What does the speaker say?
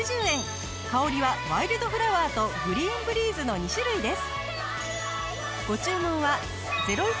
香りはワイルドフラワーとグリーンブリーズの２種類です。